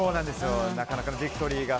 なかなかビクトリーが。